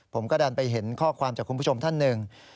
ผมก็ดันไปเห็นข้อความจากคุณผู้ชมท่านหนึ่ง